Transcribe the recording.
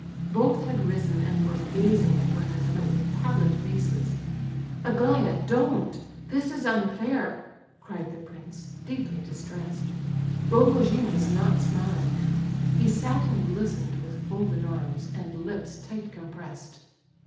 Both had risen, and were gazing at one another with pallid faces. "Aglaya, don't! This is unfair," cried the prince, deeply distressed. Rogojin was not smiling now; he sat and listened with folded arms, and lips tight compressed.